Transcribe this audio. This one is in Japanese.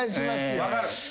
分かる！